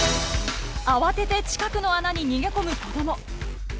慌てて近くの穴に逃げ込む子ども。